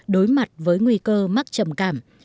đối mặt với nguy cơ mắc trầm cảm